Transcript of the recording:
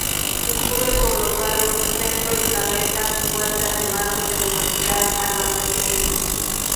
Discurre por los barrios Centro y Carretas-Huerta de Marzo de la capital albaceteña.